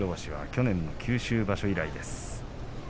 去年、九州場所以来です。